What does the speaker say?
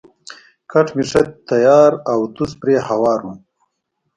کټ مې ښه تیار او توس پرې هوار وو.